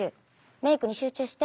メークに集中して。